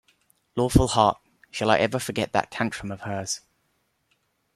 Lawful heart, shall I ever forget that tantrum of hers!